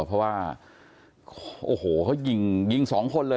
เพราะว่าโอ้โหเขายิงยิงสองคนเลย